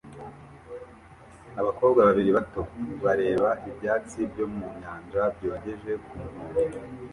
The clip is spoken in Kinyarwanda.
Abakobwa babiri bato bareba ibyatsi byo mu nyanja byogeje ku nkombe